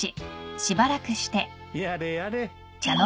やれやれ。